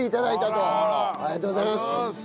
ありがとうございます。